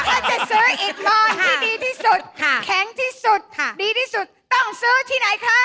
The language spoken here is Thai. ถ้าจะซื้ออิดมอนที่ดีที่สุดแข็งที่สุดดีที่สุดต้องซื้อที่ไหนคะ